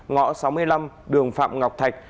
ngõ sáu mươi năm đường phạm ngọc thạch